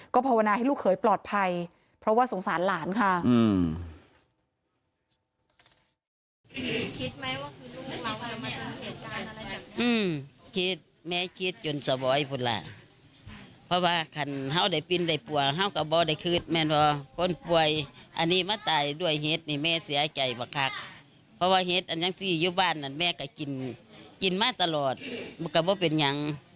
ภาวนาให้ลูกเขยปลอดภัยเพราะว่าสงสารหลานค่ะ